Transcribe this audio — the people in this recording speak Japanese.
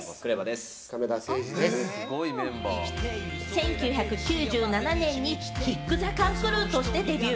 １９９７年にＫＩＣＫＴＨＥＣＡＮＣＲＥＷとしてデビュー。